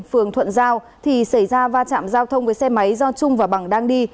phường thuận giao thì xảy ra va chạm giao thông với xe máy do trung và bằng đang đi